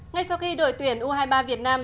ngay sau khi đội tuyển u hai mươi ba việt nam